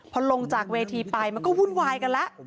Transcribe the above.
พอลงจากเวทีไปมันก็วุ่นวายกันแล้ว